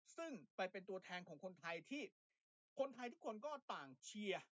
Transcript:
ซึ่งจะไปเป็นตัวแทนของคนไทยที่คนไทยทุกคนก็ต่างเชียร์